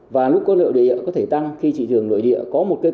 và lúc các lợi địa có thể tăng khi thị trường lợi địa có một cơ cơ